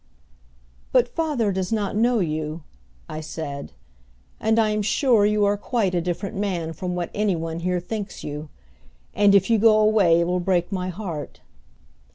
"But father does not know you," I said, "and I am sure you are quite a different man from what any one here thinks you. And if you go away it will break my heart."